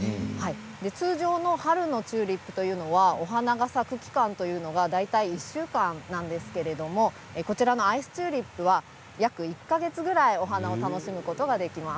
通常の春のチューリップというのは、お花が咲く期間は大体１週間なんですけれどもこちらのアイスチューリップは約１か月ぐらいお花を楽しむことができます。